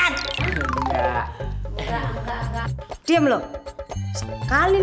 kamu puju ihatalfi